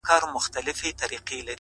علم د پرمختګ بنسټیز عنصر دی